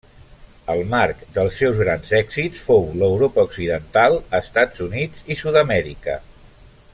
El marc dels seus grans èxits fou l'Europa Occidental, Estats Units i Sud-amèrica.